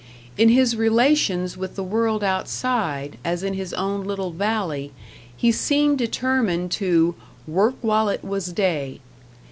In his relations with the world outside, as in his own little valley, he seemed determined to "work while it was day."